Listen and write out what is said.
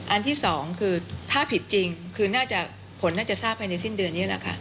อันที่สองคือถ้าผิดจริงคือน่าจะผลน่าจะทราบภายในสิ้นเดือนนี้แหละค่ะ